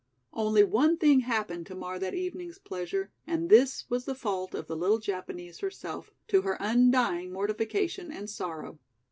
Only one thing happened to mar that evening's pleasure, and this was the fault of the little Japanese herself, to her undying mortification and sorrow.